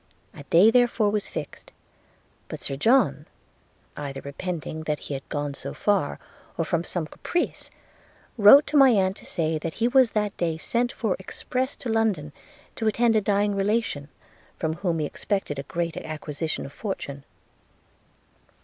A day therefore was fixed: but Sir John, either repenting that he had gone so far, or from some caprice, wrote to my aunt to say he was that day sent for express to London, to attend a dying relation, from whom he expected a great acquisition of fortune.